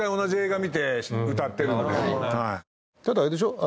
ただあれでしょ？